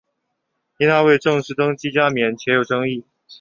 因为他未正式登基加冕且有争议。